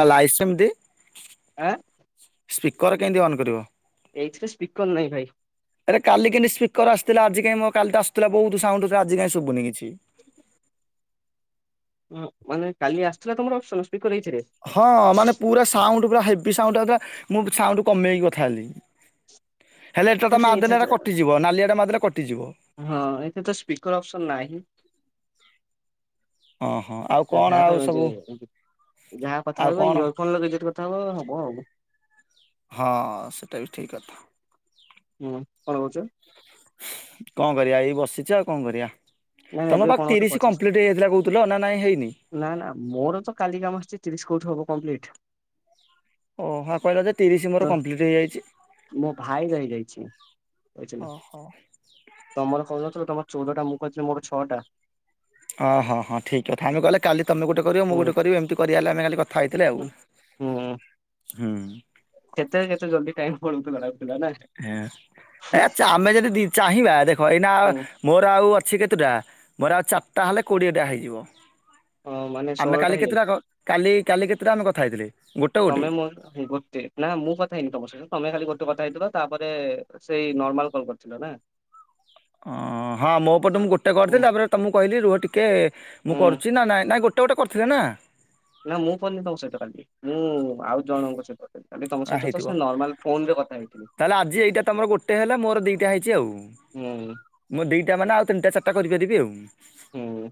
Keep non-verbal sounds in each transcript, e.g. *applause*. ନା ଲାଇ ସେମିତି ଆଁ। ସ୍ପିକର କେନ୍ତି ଅନ୍ କରିବ? ଏଇଥିରେ ସ୍ପିକର୍ ନାଇଁ ଭାଇ। ଆରେ କାଲି କିନ୍ତି ସ୍ପିକର୍ ଆସିଥିଲା ଆଜି କାଇଁ ମୋ କାଲି ତ ଆସୁଥିଲା ବହୁତ୍ ସାଉଣ୍ଡ୍ ଥିଲା ଆଜି କାଇଁ ସୁବୁନି କିଛି। ଉଁ- ମାନେ କାଲି ଆସିଥିଲା ତମର ଅପ୍ସନ୍ ସ୍ପିକର ଏଇଥିରେ? ହଁ ମାନେ ପୁରା ସାଉଣ୍ଡ୍ ପୁରା ହେବି ସାଉଣ୍ଡ୍ ଆଉଥିଲା ମୁଁ ସାଉଣ୍ଡୁ କମେଇକି କଥା ହେଲି। ହେଲେ ଏଟା ତ ମାରିଦେଲେ ଏରା କଟିଯିବ ନାଲିଆଟା ମାରିଦେଲେ କଟିଯିବ। ହଁ ଏଠେତ ସ୍ପିକର୍ ଅପ୍ସନ୍ ନାହିଁ। ଓହୋ ଆଉ କଣ ଆଉ ସବୁ *unintelligible* ଯାହା କଥା ଆଉ ହବ କଣ ଇୟର ଫୋନ୍ ଲଗେଇ ଯଦି କଥା ହବ- ହବ ଆଉ। ହଁ ସେଟାବି ଠିକ୍ କଥା। ହୁଁ କଣ୍ କହୁଚ? କଣ୍ କରିବା ଏଇ ବସିଚି ଆଉ କଣ୍ କରିବା। ନାଇଁ ତମେ ଏବେ ବା କଣ ଗୋଟେ ତିରିଶି ପଚାଶ କମ୍ପ୍ଲିଟ୍ ହେଇଯାଇଥିଲା କହୁଥିଲ ନା ନାଇଁ ହେଇନି? ନା -ନା ମୋର ତ କାଲି କାମ ଆସିଚି ତିରିଶ୍ କଉଠି ହବ କମ୍ପ୍ଲିଟ୍। ଓ ହ କହିଲ ଯେ ତିରିଶ୍ ତ ମୋର କମ୍ପ୍ଲିଟ୍ ହେଇଯାଇଚି। ମୋ ଭାଇ ରହିଯାଇଛି ବୁଝିଲ। ଓହୋ। ତମର କହୁ ନଥିଲ ତମର ଚଉଦଟା ମୁଁ କହିଥିଲି ମୋର ଛଅଟା। ଓ- ହଁ- ହଁ ଠିକ୍ କଥା ଆମେ କହିଲେ କାଲି ତମେ ଗୋଟେ କରିବ ମୁଁ ହୁଁ ଗୋଟେ କରିବି ଏମିତି କରିବା ହେଲା ଆମେ କାଲି କ ଥା ହେଇଥିଲେ ଆଉ ହୁଁ। କେତେ- କେତେ ଜଲ୍ଦି ଟାଇମ୍ ପଳଉଥିଲା ଲାଗୁଥିଲା ନା। ହେଁ -ଆମେ ଯଦି ଚାହିଁବା ଦେଖ ଏଇନା ମୋର ଆଉ ଅଛି କେତୁଟା ମୋର ଆଉ ଚାରଟା ହେଲେ କୋଡ଼ିଏ ଟା ହେଇଯିବ। ହୁଁ ମାନେ ଆମେ ଷୋହଳଟା କାଲି ହେଇଯାଇଛି। କେତେଟା କଲ୍- କାଲି -କାଲି କେତେଟା ଆମେ କଥା ହେଇଥିଲେ? ଗୋଟେ ଗୋଟେ ତମେ- ମୋର୍ ଗୋଟେ। ନା ମୁଁ କଥା ହେଇନି ତମ ସହିତ ତମେ ଖାଲି ଗୋଟେ କଥା ହେଇଥିଲ ତାପରେ ସେଇ ନର୍ମାଲ୍ କଲ୍ କରିଥିଲ ନା। ଓ ହଁ ମୋ ପଟୁ ମୁଁ ଗୋଟେ ହୁଁ କରିଥିଲି ତାପରେ ତମକୁ କହିଲି ରୁହ ଟିକେ ମୁଁ ହୁଁ କରୁଚି ନା ନାଇଁ- ନାଇଁ ଗୋ ଗୋଟେ ଗୋଟେ କରିଥିଲେ ନା? ନା ମୁଁ କରିନି ତମ ସହିତ କାଲି ମୁଁ ଆଉ ଜଣଙ୍କ ସହିତ କଲି। ଆ ହେଇଥିବ ହେଇଥିଲି ତାହେଲେ ଆଜି ଏଇଟା ତମର ଗୋଟେ ହେଲା ମୋର ଦିଟା ହେଇଚି ଆଉ। ହୁଁ। ମୁଁ ଦିଟା ମାନେ ଆଉ ତିନ୍ ଟା ଚାରିଟା କରିପାରିବି ଆଉ। ହୁଁ।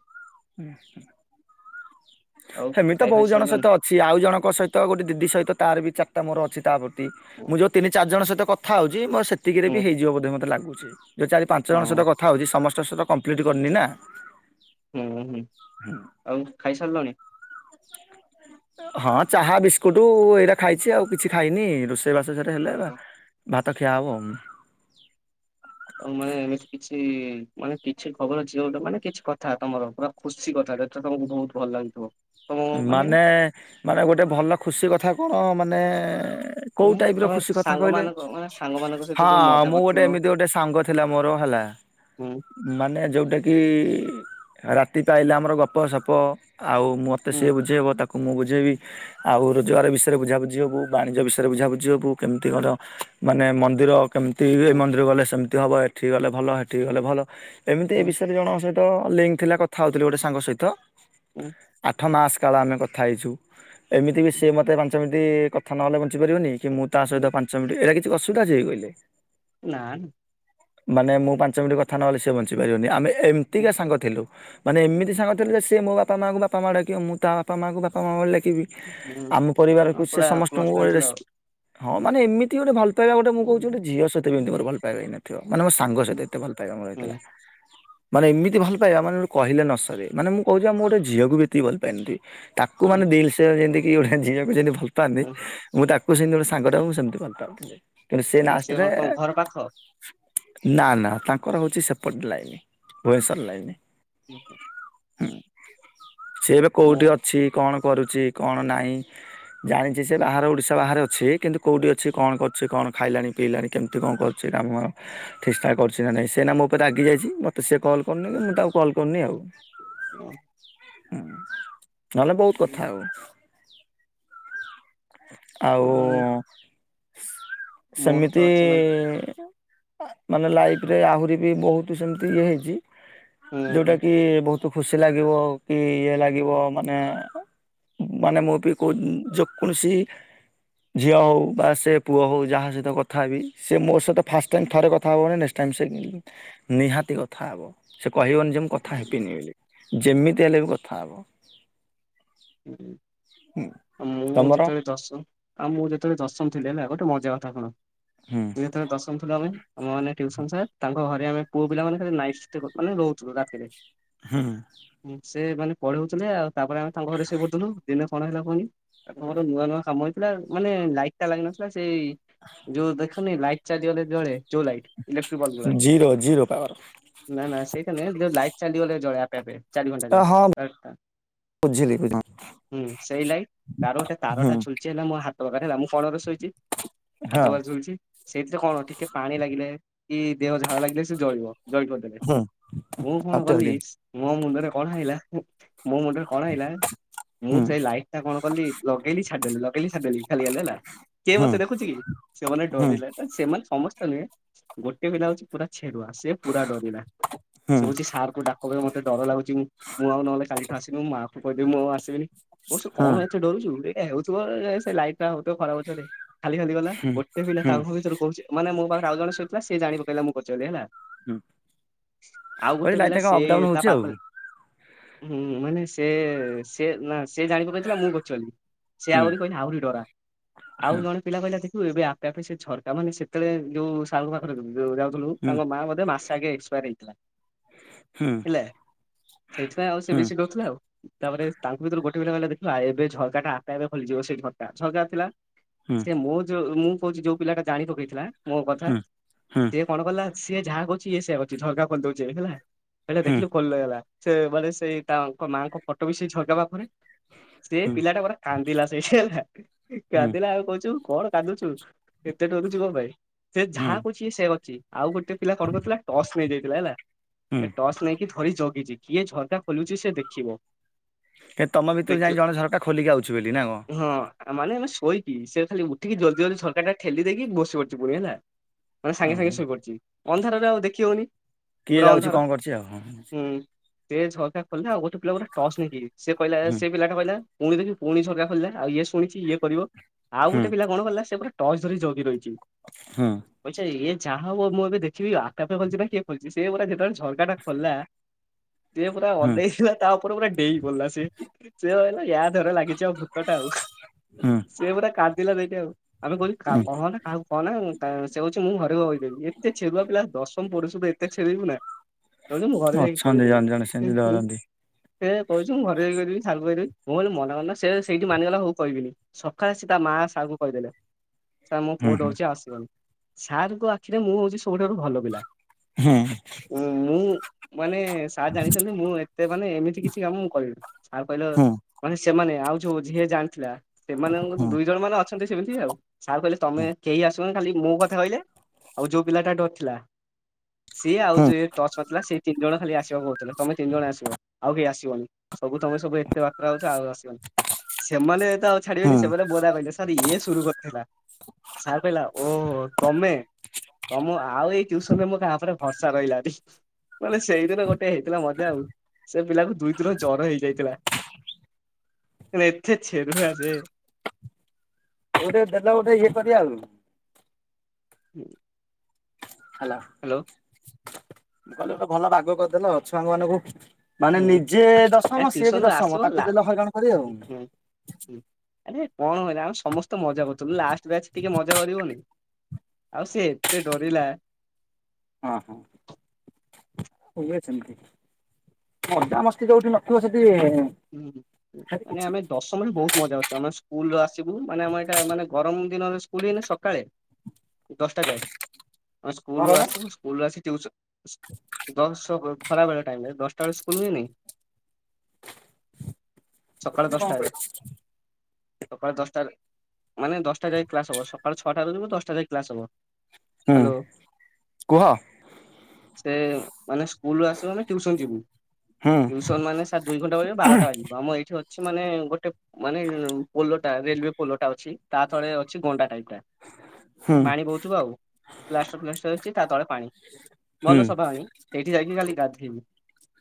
ଆଉ ହେମିତି ତ ଖାଇ ଖାଇ ବହୁତ୍ ଜଣ ସାରିଲଣି ସହିତ ଅ ଛି ଆଉ ଜଣଙ୍କ ସହିତ ଗୋଟେ ଦିଦି ସହିତ ତାର ବି ଚାରିଟା ମୋର ଅଛି ତା ପ୍ରତି ହୁଁ ମୁଁ ଯଉ ତିନି ଚାରି ଜଣ ସହିତ କ ଥା ହଉଚି ମୋର୍ ସେତିକିରେ ହୁଁ ବି ହେଇଯିବ ବୋଧେ ମତେ ଲାଗୁଚି ଯଉ ଚାରି ପାଞ୍ଚ ହଁ ଜଣ ସହିତ କଥା ହଉଚି ସମସ୍ତେ ତୋ ସହିତ କମ୍ପ୍ଲିଟ୍ କରିନି ନା। ହୁଁ ହୁଁ ଆଉ ଖାଇସାରିଲଣି। ହଁ ଚାହା ବିସ୍କୁଟ ଏଇରା ଖାଇଛି ଆଉ। କିଛି ଖାଇନି ରୋଷେଇ ବାସ ସରିଗଲେ ଭାତ ଖିଆ ହବ ଆଉ। ଆଉ ମାନେ ଏମିତି କିଛି ମାନେ କିଛି ଖବର ଅଛି ଯୋଉଟା ମାନେ କିଛି କଥା ତମର ପୁରା ଖୁସି କଥାଟେ ତ ତମକୁ ବହୁତ ଭଲ ଲାଗୁଥିବ। ମାନେ ମାନେ ଗୋଟେ ଭଲ ଖୁସି କଥା କଣ ମାନେ ଉଁ କୋଉ ଟାଇପର ତମେ ଖୁସି କଥା କହିଲେ ସାଙ୍ଗମାନଙ୍କ ମାନେ ସାଙ୍ଗମାନଙ୍କ ସହିତ ହଁ ଯୋଉ ମଜା ମୁଁ କରିଥିବ ଗୋଟେ ଏମିତି ଗୋଟେ ସାଙ୍ଗ ଥିଲା ମୋର ହେଲା। ହୁଁ। ମାନେ ଯେଉଁଟାକି ରାତି ପାଇଲେ ଆମର ଗପସପ ଆଉ ମତେ ସିଏ ବୁଝେଇବ ତାକୁ ମୁଁ ବୁଝେଇବି। ଆଉ ରୋଜଗାର ବିଷୟରେ ବୁଝାବୁଝି ହବୁ ବାଣିଜ୍ୟ ବିଷୟରେ ବୁଝାବୁଝି ହବୁ କେମତି କଣ ମାନେ ମନ୍ଦିର କେମିତି ଏ ମନ୍ଦିର ଗଲେ ସେମିତି ହେବ ଏଠିକି ଗଲେ ଭଲ ଏଠିକି ଗଲେ ଭଲ ଏମିତି ଏ ବିଷୟରେ ଜଣଙ୍କ ସହିତ ତ ଲିଙ୍କ ଥିଲା କଥା ହଉଥିଲି ଗୋଟେ ସାଙ୍ଗ ସହିତ। ହୁଁ। ଆଠ ମାସ କାଳ ଆମେ କଥା ହେଇଛୁ ଏମିତି ବି ସିଏ ମୋତେ ପାଞ୍ଚ ମିନିଟି କଥା ନହେଲେ ବଞ୍ଚିପାରିବନି। କି ମୁଁ ତା ସହିତ ପାଞ୍ଚ ମିନିଟ ଏଇଟା କିଛି ଅସୁବିଧା ଅଛି କି କହିଲେ? ନା। ମାନେ ମୁଁ ପାଞ୍ଚ ମିନିଟ୍ କଥା ନହେଲେ ସେ ବଞ୍ଚି ପାରିବନି ଆମେ ଏମିତିକା ସାଙ୍ଗ ଥିଲୁ। ମାନେ ଏମିତି ସାଙ୍ଗ ଥିଲୁ ଯେ ସେ ମୋ ବାପା ମାଙ୍କୁ ବାପା ମା ଡାକିବ ମୁଁ ତା ବାପା ମାଙ୍କୁ ବାପା ମା ବୋଲି ଡାକିବି। ଆମ ପରିବାରକୁ ସେ ପୁରା କ୍ଲୋଜ ସମସ୍ତଙ୍କୁ ଫ୍ରେଣ୍ଡ ଗୋଟେ ଥିଲ ରେସ୍ ଆଉ। ହଁ ମାନେ ଏମତି ଗୋଟେ ଭଲ ପାଇବା ଗୋଟେ ମୁଁ କହୁଛି ଗୋଟେ ଝିଅ ସହିତ ବି ଏମତି ମୋର ଭଲ ପାଇବା ହେଇନି ନଥିବ ମାନେ ମୋ ସାଙ୍ଗ ସହିତ ଏତେ ଭଲ ପାଇବା ମୋର ହେଇନଥିଲା। ମାନେ ଏମିତି ଭଲ ପାଇବା ମାନେ କହିଲେ ନସରେ ମାନେ ମୁଁ କହୁଛି ବା ମୁଁ ଗୋଟିଏ ଝିଅକୁ ବି ଏତିକି ଭଲ ପାଆନଥିବି। ତାକୁ ମାନେ ଦିଲ୍ ସେ ଯେମିତି କି ଗୋଟେ ଝିଅକୁ ଯେମିତି ଭଲପାଆନ୍ତି। ମୁଁ ତାକୁ ସେମିତି ଗୋଟେ ସାଙ୍ଗଟାକୁ ମୁଁ ସେମିତି ଭଲପାଉଥିଲି କିନ୍ତୁ ସେ ସିଏ ନାଷ୍ଟରେ କଣ ତମ ଘର ପାଖ? ନା ନା ତାଙ୍କର ହଉଛି ସେପଟ ଲାଇନ ଭୁବନେଶ୍ୱର ଲାଇନ। *inaudible* ସେ ଏବେ ମୋ କୋଉଠି ଅ ଛି କଣ କରୁଛି କଣ ନାହିଁ ଜାଣିଛି ସେ ବାହାର ଓଡ଼ିଶା ବାହାରେ ଅଛି କିନ୍ତୁ କୋଉଠି ଅଛି ଉଁ, କଣ କରୁଛି କଣ ଖାଇଲାଣି ପିଇଲାଣି କେମିତି କଣ କରୁଛି କାମ ଚେଷ୍ଟା କରୁଛି ନା ନାଇଁ ସେ ନା ମୋ ଉପରେ ରାଗି ଯାଇଛି ମତେ ସିଏ କଲ୍ କରୁନି କି ମୁଁ ତାକୁ କଲ୍ କରୁନି ଆଉ। *inaudible* ହୁଁ ନହେଲେ ବହୁତ କଥା ହୋଉ। ଆଉ ଉଁ, ମୋର ସେମିତି ତ ଅଛି ମାନେ ମାନେ ଲାଇଫରେ ଆହୁରି ବି ବହୁତ ସେମିତି ଇଏ ହେଇଛି। ଯୋଉଟା ହୁଁ, କି ବହୁତ ତ ଖୁସି ଲାଗିବ କି ଇଏ ଲାଗିବ ମାନେ ମାନେ ମୁଁ ବି କଉ ଯ କୌଣସି ଝିଅ ହଉ ବା ସେ ପୁଅ ହଉ ଯାହା ସହିତ କଥା ହେବି ସେ ମୋ ସହିତ ଫାଷ୍ଟ ଟାଇମ ଥରେ କଥା ହବ ମାନେ ନେଷ୍ଟ୍ ଟାଇମ ସେ ନିହାତି କଥା ହେବ। ସେ କହିବନି ଯେ ମୁଁ କଥା ହେବିନି ବୋଲି ଯେମିତି ହେଲେ ବି କଥା ହବ। *inaudible* ହୁଁ। ମୁଁ ତମର ଯେତେବେଳେ ଦଶ ଆଉ ମୁଁ ଯେତେବେଳେ ଦଶ ମ ଥିଲି ହେଲା ଗୋଟେ ମଜା କଥା ଶୁଣ। ହୁଁ। ମୁଁ ଯେତେବେଳେ ଦଶମ ଥିଲୁ ଆମେ ଆମ ମାନେ ଟିଉସନ ସାର୍ ତାଙ୍କ ଘରେ ଆମେ ପୁଅ ପିଲା ମାନେ ଖାଲି ନାଇଟ୍ ରେ ମାନେ ରହୁଥିଲୁ ରାତିରେ। ହୁଁ। ସେ ମାନେ ପଢଉଥିଲେ ଆଉ ତାପରେ ଆମେ ତାଙ୍କ ଘରେ ଶୋଇ ପଢୁଥିଲୁ ଦିନେ କଣ ହେଲା କହନି? ତମର ନୂଆ ନୂଆ କାମ ହେଇଥିଲା ମାନେ ଲାଇଟଟା ଲାଗିନଥିଲା ସେଇ ଯୋଉ ଦେଖ ଲାଇଟ ଚାଲିଗଲେ ଜଳେ ଯୋଉ ଲାଇଟ ଇଲେକ୍ଟ୍ରିକ ବଲବ୍ ଗୁଡା ଜିରୋ ଜିରୋ ପାୱାର ନା ନା ସେଇଟା ନୁହେଁ ଯୋଉ ଲାଇଟ୍ ଚାଲିଗଲେ ଜଳେ ଆପେ ଆପେ ଚାରି ଘଣ୍ଟା ଯାଏଁ, ହଁ ବୁଝିଲି ବୁଝିଲି ହୁଁ ସେଇ ଲାଇ ଆ ଗୋଟେ ହୁଁ ତାରଟା ଝୁଲୁଛି ହେଲା ମୋ ହାତ ପାଖରେ ହେଲା ମୁଁ କଳରେ ଶୋଇଛି ହାତ ହଁ ପାଖରେ ଝୁଲୁଛି। ସେଇଥିରେ କଣ ଟିକେ ପାଣି ଲାଗିଲେ କି ଦେହ ଝାଳ ଲାଗିଲେ ସେ ଜଳିବ ଜଳିବନି ହୁଁ ମୁଁ କଣ କଲି? ଅତ୍ୟଧିକ ମୋ ମୁଣ୍ଡରେ କଣ ଆଇଲା ମୋ ମୁଣ୍ଡରେ କଣ ଆଇଲା ମୁଁ ହୁଁ ସେଇ ଲାଇଟ ଟା କଣ କଲି ଲଗେଇଲି ଛାଡିଦେଲି ଲଗେଇଲି ଛାଡିଦେଲି ଖାଲିଆ ହେଲା କିଏ ହୁଁ ମତେ ଦେଖୁଛି ସିଏ ମାନେ ହୁଁ ଡରିଲା ସେମାନେ ସମସ୍ତେ ନୁହେଁ, ଗୋଟେ ପିଲା ହଉଛି ପୁରା ଛେରୁଆ ସେ ପୁରା ଡରିଲା ହୁଁ ସେ କହୁଛି ସାରଙ୍କୁ ଡାକ ମତେ ଡର ଲାଗୁଛି ମୁଁ ଆଉ ନହେଲେ କାଲିଠୁ ଆସିବିନି, ମୋ ମା କୁ କହିଦେବି ମୁଁ ଆଉ ଆସିବିନି। ତୁ ହଁ କଣ ଏତେ ଡରୁଛୁ ଏ ହଉ ଥିବ ସେ ଲାଇଟ ଟା ହ ଖରାପ ଅଛରେ ଖାଲି ଖାଲି ଗଲା। ହୁଁ ଗୋଟେ ପିଲା ହୁଁ ତାଙ୍କ ଭିତରୁ କହୁଛି, ମାନେ ମୋ ପାଖରେ ଆଉ ଜଣ ସୋଇଥିଲା ସେ ଜାଣିପକେଇଲା ମୁଁ କରିଚି ବୋଲି ହେଲା। ହୁଁ ଆଉ କହିଲି ଗୋଟେ ଲାଇଟ୍ ପିଲା ଟା କଣ ସେ ଅପ୍ ଡାଉନ୍ ତା ହଉଛି ଆଉ ପାଖରେ ହୁଁ ମାନେ ସେ ସେ ନା ସେ ଜାଣିପକେଇଥିଲା ମୁଁ କରିଛି ସେ ହୁଁ ଆହୁରି କହିଲା ଆହୁରି ଡରା, ଆଉ ହୁଁ ଜଣେ ପିଲା କହିଲା ଦେଖିବୁ ଏବେ ଆପେ ଆପେ ସେ ଝରକା ମାନେ ସେତେଳେ ଯୋଉ ସାଳୁ ପାଖରେ ଯୋଉ ଯାଉଥିଲୁ ହୁଁ ତାଙ୍କ ମା ବୋଧେ ମାସେ ଆଗେ ଏକ୍ସପାୟାର ହେଇଥିଲା। ହୁଁ ହେଲା ସେଇଥିପାଇଁ ଆଉ ସେ ହୁଁ ହୁଁ ବେଶୀ ଡରୁଥିଲା ଆଉ ତାପରେ ତାଙ୍କୁ ଭିତରୁ ଗୋଟେ ପିଲା କହିଲା ଦେଖିବୁ ଏବେ ଝରକା ଟା ଆପେ ଆପେ ଖୋଲି ଯିବ ସେଇ ଝକା ଝରକା ଥିଲା। ହୁଁ ସେ ମୋ ଯୋଉ ମୁଁ କହୁଛି ଯୋଉ ପିଲାଟା ଜାଣି ପକେଇଥିଲା ମୋ କଥା ହୁଁ ସେ କଣ କଲା ସିଏ ଯାହା କହୁଛିି ସେୟା କରିଦଉଛି ଝରକା ଖୋଲି ଦଉଛି ହେଲା ଏଟା ହୁଁ ଦେଖିଲୁ ଖୋଲି ହେଇଗଲା। ସେ ମାନେ ସେଇ ତାଙ୍କ ମାଆଙ୍କ ଫଟୋ ବି ସେଇ ଝରକା ପାଖରେ ସେ ହୁଁ ପିଲାଟା ପୁରା କାନ୍ଦିଲା ସେଇଠି ହେଲା କାନ୍ଦିଲା ଆଉ କହୁଛୁ କଣ କାନ୍ଦୁଛୁ? ଏତେ ଡରୁଛୁ କଣ ପାଇଁ ସେ ହୁଁ ଯାହା କହୁ ସେ ଅଛି ଆଉ ଗୋଟେ ପିଲା କଣ କରୁଥିଲା ଟସ୍ ନେଇଯାଇଥିଲା ହେଲା ହୁଁ ଟସ୍ ନେଇକି ଧରି ଜଗିଛି କିଏ ଝରକା ଖୋଲୁଛି ସେ ଦେଖିବ? ଏ ତମ ଭିତରୁ ଦେଖିଲା ଯାଇଁ ଜଣେ ଝରକା ଖୋଲିକି ଆଉଛି ବୋଲି ନା କଣ? ହଁ ମାନେ ଆମେ ଶୋଇକି ସେଏ ଖାଲି ଉଠିକି ଜଲଦି ଜଲଦି ଝରକାଟା ଠେଲି ଦେଇକି ବସି ପଡିଛି ପୁଣି ହେଲା। ମାନେ ସାଙ୍ଗେ ସାଙ୍ଗେ ଓହୋ ଶୋଇପଡିଛି, ଅନ୍ଧାରରେ ଆଉ ଦେଖି ହଉନି। କିଏ ପୁରା ଯାଉଛି ଅନ୍ଧାର। କଣ କରଛି ଆଉ, ହଁ, ହଁ। ହୁଁ ସେ ଝରକା ଖୋଲିଲା ଆଉ ଗୋଟେ ପିଲା ଗୋଟେ ଟସ୍ ନେଇକି ଏ କହିଲା ହୁଁ ସେ ପିଲାଟା କହିଲା? ପୁଣି ଦେଖିବୁ ପୁଣି ଝରକା ଖୋଲିଲା ଆଉ ଇଏ ଶୁଣିଛି ଇଏ କରିବ ଆଉ ହୁଁ ଗୋଟେ ପିଲା କଣ କଲା ସେ ପୁରା ଟସ୍ ଧରି ଜଗି ରହିଛି। ହୁଁ। ପଛେ ଇଏ ଯାହା ହବ ମୁଁ ଏବେ ଦେଖିବି ଆପେ ଆପେ ଖୋଲୁଛି ନା କିଏ ଖୋଲୁଛି ସେ ପୁରା ଯେତେବେଳେ ଝରକା ଟା ଖୋଲିଲା ସେ ପୁରା ହୁଁ ଅନେଇଥିଲା ତା ଉପରେ ପୁରା ଡେଇଁ ପଡିଲା ସିଏ ସେ ଭାବିଲା ଧର ଲାଗିଛି ଆଉ ଭୂତଟା ଆଉ ହୁଁ ସିଏ ପୁରା କାନ୍ଦିଲା ଯାଇକି ଆଉ ଆମେ କହିଲୁ କା କହ ନା କାହାକୁ କହ ନା ସେ ହଉଛି ମୁଁ ଘରେ କହିଦେବି ଏତେ ଛେରୁଆ ପିଲା ଦଶମ ପଢୁଛିବେ। ଏତେ ଛେରିବୁନା ମୁଁ ଘରେ ହୁଁ ଯାଇକି ଅଛନ୍ତି କହିଦେବି? ଜଣେ ଜଣେ ସେମିତି ଧରନ୍ତି ସେ କହୁଛି ମୁଁ ଘରେ ଯାଇ କହିଦେବି ସାରଙ୍କୁ କହିଦେବି। ମୁଁ ବୋଲି ମନେ ମନେ ସେ ସେଇଠି ମାନିଗଲା ହଉ କହିବିନି ସକାଳେ ସେ ତା ମା ସାରଙ୍କୁ କହିଦେଲେ। ସାର୍ ମୋ ହୁଁ ପୁଅ ଡରୁଛି ଆସିବନି ସାର୍ ଙ୍କ ଆଖିରେ ମୁଁ ହଉଛି ସବୁଠାରୁ ଭଲ ପିଲା। ହୁଁ। ମୁଁ ମାନେ ସାର୍ ଜାଣିଛନ୍ତି ମୁଁ ଏତେ ମାନେ ଏମିତି କିଛି କାମ କରିବିନି ସାର କହିଲେ। ହୁଁ ମାନେ ସେମାନେ ଆଉ ଯୋଉ ଯିଏ ଜାଣିଥିଲା ସେମାନଙ୍କ ହୁଁ ଦୁଇ ଜଣ ମାନେ ଅଛ ସେମିତି ଆଉ ସାର କହିଲେ ତମେ କେହି ଆସିବନି ଖାଲି ମୋ କଥା କହିଲେ ଆଉ ଯୋଉ ପିଲାଟା ଡରି ଥିଲା। ସିଏ ଆଉ ହୁଁ ଯୋଉ ଟଚ୍ ଥିଲା ସିଏ ତିନି ଜଣ ଖାଲି ଆସିବାକୁ କହୁଥିଲା ତମେ ତିନି ଜଣ ଆସିବ। ଆଉ କେହି ଆସିବନି ସବୁ ତମେ ସବୁ ଏତେ ବାତରା ହଉଛ ଆଉ ଆସିବନି। ସେମାନେ ତ ଆଉ ହୁଁ ଛାଡିବ ସେମାନେ ବ କହିଲେ ସାର୍ ଇଏ ସୁରୁ କରିୁଥିଲା। ସାର କହିଲା ଓହୋ ତମେ। ତମ ଆଉ ଏଇ ଟ୍ୟୁସନରେ ମୋ କାହା ଉପରେ ଭରସା ରହିଲାନି। ମାନେ ସେଇଦିନ ଗୋଟେ ହେଇଥିଲା ମଜା ଆଉ ସେ ପିଲାକୁ ଦୁଇ ଦିନ ଜର ହେଇଯାଇଥିଲା। ଏଥେ ଛେରୁଆ ଯେ। ଗୋଟେ ଦେଲ ବୋଧେ ଇଏ କରିବା ଆଉ। ହୁଁ। ହେଲୋ। ହ୍ୟାଲୋ। *unintelligible* ଭଲ ବାଗ କରିଦେଲ ଛୁଆଙ୍କ ମାନଙ୍କୁ। ମାନେ ହୁଁ ନିଜେ ଆ ଦଶମ ସିଏ ବି ଟ୍ୟୁସନରୁ ଆସିବ ଦଶମ ତାକୁ ଦେଲେ ହଇରାଣ କରି ଆଉ। ହଁ ଆରେ କଣ ହଇରାଣ ଆମେ ସମସ୍ତେ ମଜା କରୁଥିଲୁ ଲାଷ୍ଟ ବ୍ୟାଚ ଟିକେ ମଜା କରିବୁନି। ଆଉ ସେ ଏତେ ଡରିଲା। ହଁ ହଁ *unintelligible* ମଜା ମସ୍ତି ଯଉଦିନ ହୁଁ ହୁଁ ମାନେ କିଛି ଆମେ ଦଶମ ରେ ବହୁତ *unintelligible* ଆମେ ସ୍କୁଲ ଆସିବୁ ମାନେ ଆମ ଏଇଟା ମାନେ ଗରମ ଦିନରେ ସ୍କୁଲ ହେଇନ ସକାଳେ। ଦଶଟା ଯାଏ ଆମ କଣ ସ୍କୁଲରୁୁ କହିଲ ଆସିବୁ ସ୍କୁଲୁ ଆସି ଟ୍ୟୁସନ୍ ଦଶ ଖରାବେଳେ ଟାଇମରେ ଦଶଟା ବେଳେ ସ୍କୁଲ ହୁଏନି ସକାଳ ଶୁଭୁନି କଣ ଦଶଟାରେ। କହିଲ ସକାଳ ଦଶଟା ମାନେ ଦଶଟା ଯାକ କ୍ଲାସ ହବ ସକାଳ ଛଅଟାରେ ଯିବ ଦଶଟା ଯାକ କ୍ଲାସ ହବ। ହୁଁ ହ୍ୟାଲୋ। କୁହ ସେ ମାନେ ସ୍କୁଲୁରୁ ଆସିବୁ ମାନେ ଟ୍ୟୁସନ ଯିବୁ। ହୁଁ। ଟ୍ୟୁସନ ମାନେ ସାର୍ ଦୁଇ ଘଣ୍ଟା *unintelligible* ବାରଟା ବାଜିବ ଆମ ଏଠି ଅଛି ମାନେ ଗୋଟେ ମାନେ ପୋଲୋଟା ରଲୱେ ପୋଲୋଟା ଅଛି। ତାଥରେ ଅଛି ଗଣ୍ଡା ଟାଇପ୍ ଟା ହୁଁ ପାଣି ବହୁ ଥିବ ଆଉ ପ୍ଲାଷ୍ଟର ଫାଷ୍ଟର ହେଇଛି ତା ତଳେ ପାଣି ଭଲ ହୁଁ ସଫା ପାଣି। ସେଇଠି ଯାଇକି ଖାଲି ଗାଧେଇବୁ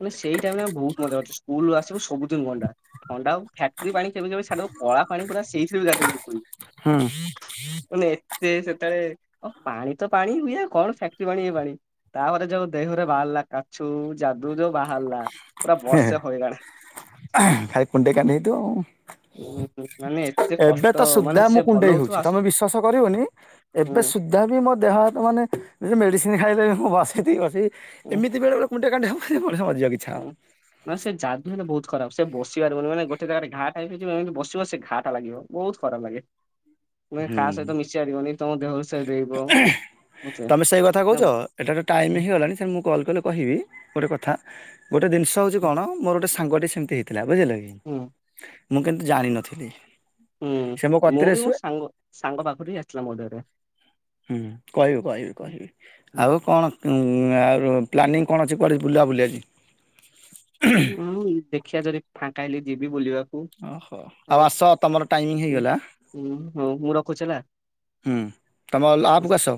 ମାନେ ସେଇ ଟାଇମରେ ବହୁତ ମଜା କରିଛୁ ସ୍କୁଲୁ ଆସିବୁ ସବୁଦିନ ଗଣ୍ଡା। ଥଣ୍ଡା ଆଉ ଫ୍ୟାକ୍ଟ୍ରି ପାଣି କେବେ କେବେ କଳା ପାଣି ପୁରା ସେଇଥିରେ *unintelligible* ହୁଁ। ମାନେ ଏତେ ସେତେବେଳେ ଓ ପାଣି ତ ପାଣି ହୁଏ କଣ ଫ୍ୟାକ୍ଟ୍ରି ପାଣି ଇଏ ପାଣି। ତାପରେ ଯୋଉ ଦେହରେ ବାହାରିଲା କାଛୁ ଯାଦୁ ଯୋଉ ବାହାରିଲା ପୁରା ହେ ହେ ବର୍ଷେ ହଇରାଣ। ଖାଲି କୁଣ୍ଡେଇ କାଣ୍ଡେଇ ହେଇଥିବ ଆଉ। ଉଁ ମାନେ ଏତେ ଏବେ କଷ୍ଟ ତ ମାନେ ସୁଦ୍ଧା ସେ ମୁଁ ଭଲ କୁଣ୍ଡେଇ ହଉଥିବ ହଉଛି ତମେ ଆସୁ ବିଶ୍ଵାସ କରିବନି ହୁଁ ଏବେ ସୁଧ ଧା ବି ମୋ ଦେହ ହାତ ମାନେ ମେଡ଼ିସିନ ଖାଇଲେ ବି ମୁଁ ବାସି ଥିବି ବସି ଏମିତି ବେଳେବେଳେ କୁ କାଣ୍ଡି ହବଜେ ମଣିଷ *unintelligible* ହଁ। ନା ସେ ଜାଦୁ ହେଲେ ବହୁତ ଖରାପ ସେ ବସି ପାରିବନି ମାନେ ଗୋଟେ ଜାଗାରେ ଘାଆ ଟାଇପ ହୋଇଥିବ ବସିବ ସେ ଘାଆଟା ଲାଗିବ। ବହୁତ ଖରାପ ଲାଗେ। ନା ହୁଁ। କାହା ସହିତ ମିଶି ପାରିବନି ତମ ଦେହରୁ ସେ ଡେଇବ ପଛେ *unintelligible* ଏଥର ଟାଇମ୍ ହେଇଗଲାଣି ସେ ମୁଁ କଲ୍ କଲେ କହିବି, ଗୋଟେ କଥା ଗୋଟେ ଜିନିଷ ହେଉଛି ହୁଁ କଣ ମୋର ଗୋଟେ ସା ସାଙ୍ଗଟେ ସେମିତି ହେଇଥିଲା ବୁଝିଲ କିି? ହୁଁ। ମୁଁ କିନ୍ତୁ ଜାଣିନଥିଲି? ହୁଁ। ସେ ମୋ ମୁଁ କତିରେ ବି ମୋ ଶୁଏ ସାଙ୍ଗ ସାଙ୍ଗ ପାଖରୁ ଆସିଲା ମୋ ଦେହରେ ହୁଁ କହିବି କହିବି କହିବି ହୁଁ ଆଉ କଣ? ଆଉର ପ୍ଲାନିଂ କଣ ଅଛି କୁଆଡ଼େ ବୁଲାବୁଲିି ଆଜି? ହୁଁ ଦେଖିବା ଯଦି ଫାଙ୍କା ହେଲି ଯିବି ବୁଲିବାକୁ। ଓହୋ। ଆଉ ଆସ ତମର ଟାଇମ ହୁଁ ହେଇଗଲା। ହୁଁ ହଉ ମୁଁ ରଖୁଛି ହେଲା। ହୁଁ। ତମଲା ଆପ୍‌କୁ ଆସ?